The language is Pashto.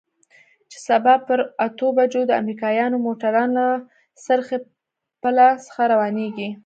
چې سبا پر اتو بجو د امريکايانو موټران له څرخي پله څخه روانېږي.